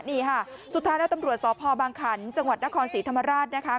นี่ค่ะสุดท้ายแล้วตำรวจสพบางขันจังหวัดนครศรีธรรมราชนะคะ